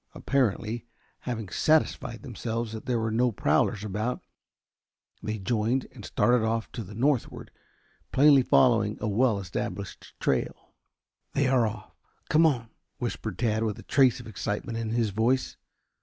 Apparently having satisfied themselves that there were no prowlers about, they joined and started off to the northward, plainly following a well established trail. "They are off. Come on," whispered Tad with a trace of excitement in his voice.